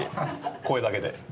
声だけで。